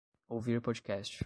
Ouvir podcast